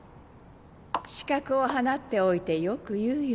刺客を放っておいてよく言うよ